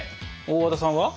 大和田さんは？